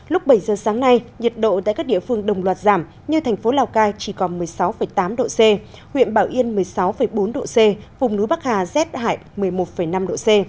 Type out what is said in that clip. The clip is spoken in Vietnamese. lúc bảy giờ sáng nay nhiệt độ tại các địa phương đồng loạt giảm như thành phố lào cai chỉ còn một mươi sáu tám độ c huyện bảo yên một mươi sáu bốn độ c vùng núi bắc hà rét hải một mươi một năm độ c